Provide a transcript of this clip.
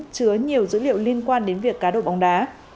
chứa nhiều dữ liệu liên quan đến việc cá độ bóng đá